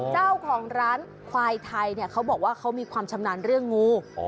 เจ้าของร้านควายไทยเนี่ยเขาบอกว่าเขามีความชำนาญเรื่องงู